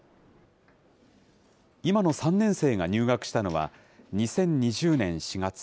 今の３年生が入学したのは、２０２０年４月。